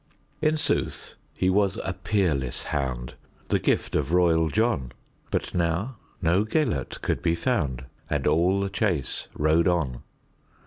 In sooth he was a peerless hound, The gift of royal John; But now no Gêlert could be found, And all the chase rode on.